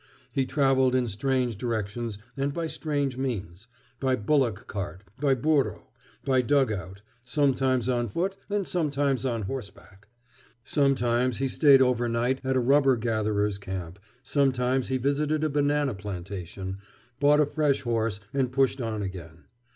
He traveled in strange directions and by strange means, by bullock cart, by burro, by dug out, sometimes on foot and sometimes on horseback. Sometimes he stayed over night at a rubber gatherers' camp, sometimes he visited a banana plantation, bought a fresh horse, and pushed on again.